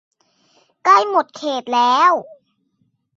ใกล้หมดเขตแล้ว !